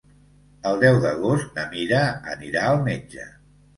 El deu d'agost na Mira anirà al metge.